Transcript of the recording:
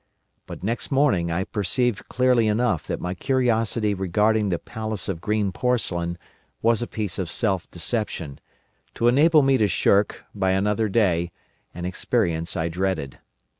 But next morning I perceived clearly enough that my curiosity regarding the Palace of Green Porcelain was a piece of self deception, to enable me to shirk, by another day, an experience I dreaded.